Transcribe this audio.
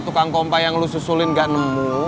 tukang pompa yang lu susulin gak nemu